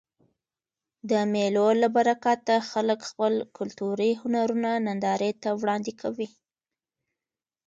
د مېلو له برکته خلک خپل کلتوري هنرونه نندارې ته وړاندي کوي.